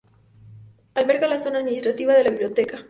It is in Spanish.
Alberga la zona administrativa de la biblioteca.